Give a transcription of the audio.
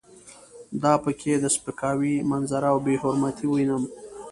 دا په کې د سپکاوي منظره او بې حرمتي وینم.